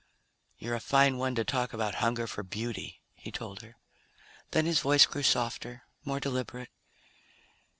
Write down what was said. "You're a fine one to talk about hunger for beauty," he told her. Then his voice grew softer, more deliberate.